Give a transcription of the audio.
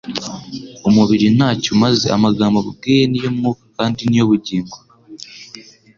Umubiri ntacyo umaze. Amagambo mbabwiye ni yo mwuka kandi ni yo bugingo. »